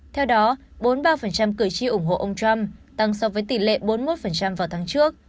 theo đó bốn mươi ba cử tri ủng hộ ông trump tăng so với tỷ lệ bốn mươi một vào tháng trước